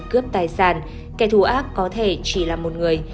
cướp tài sản kẻ thù ác có thể chỉ là một người